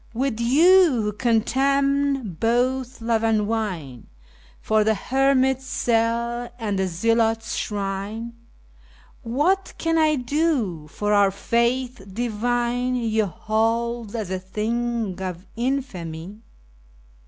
With you, who contemn both love and wine2 for the hermit's cell and the zealot's shrine, What can I do, for our Faith divine you hold as a thing of infamy?